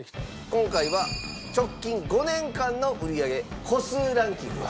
今回は直近５年間の売り上げ個数ランキングです。